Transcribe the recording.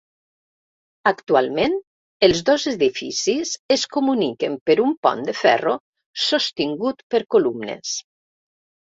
Actualment, els dos edificis es comuniquen per un pont de ferro sostingut per columnes.